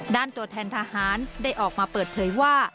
ตัวแทนทหารได้ออกมาเปิดเผยว่า